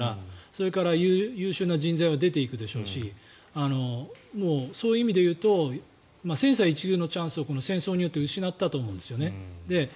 それから優秀な人材は出ていくでしょうしそういう意味でいうと千載一遇のチャンスをこの戦争によって失ったと思うんです。